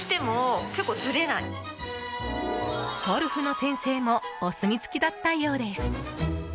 ゴルフの先生もお墨付きだったようです。